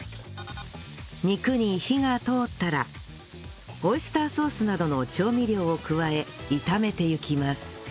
肉に火が通ったらオイスターソースなどの調味料を加え炒めていきます